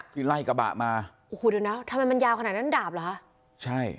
ไล่กระบะมาโอ้โหเดี๋ยวนะทำไมมันยาวขนาดนั้นดาบเหรอคะใช่